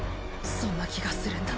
そんな気がするんだ。